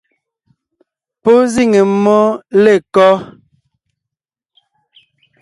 Pɔ́ zíŋe mmó lêkɔ́?